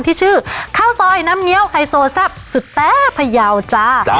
ที่ชื่อข้าวซอยน้ำเงี้ยวไฮโซแซ่บสุดแต้พยาวจ้า